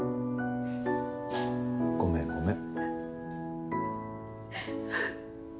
ごめんごめん。